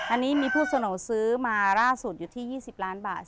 อันนี้มีผู้เสนอซื้อมาล่าสุดอยู่ที่๒๐ล้านบาท